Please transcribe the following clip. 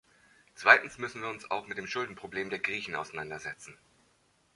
Zweitens müssen wir uns auch mit dem Schuldenproblem der Griechen auseinandersetzen.